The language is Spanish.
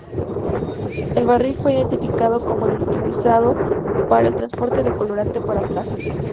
El barril fue identificado como el utilizado para el transporte de colorante para plástico.